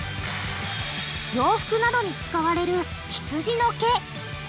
洋服などに使われるひつじの毛。